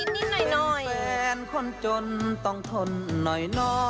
นิดหน่อย